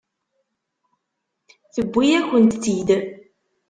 Tewwi-yakent-tt-id.